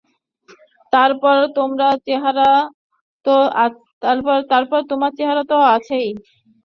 তারপর তোমার চেহারা তো আছেই!